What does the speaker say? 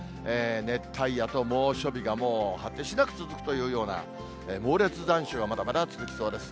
熱帯夜と猛暑日が、もう果てしなく続くというような、猛烈残暑がまだまだ続きそうです。